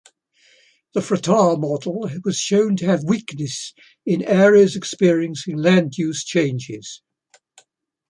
The Fratar model was shown to have weakness in areas experiencing land use changes.